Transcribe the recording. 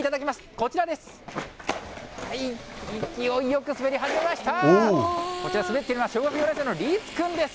こちら、滑っているのは小学４年生の律君です。